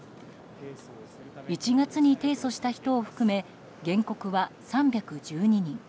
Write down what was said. １月に提訴した人を含め原告は３１２人。